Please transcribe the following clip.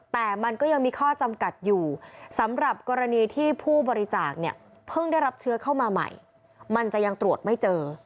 แต่มันก็ยังมีข้อจำกัดอยู่สำหรับกรณีที่ผู้บริจาคเนี่ยเพิ่งได้รับเชื้อเข้ามาใหม่มันจะยังตรวจไม่เจอ